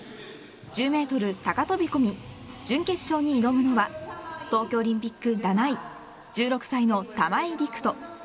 １０メートル高飛込準決勝に挑むのは東京オリンピック７位１６歳の玉井陸斗。